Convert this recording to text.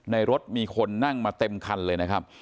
รถมีคนนั่งมาเต็มคันเลยนะครับ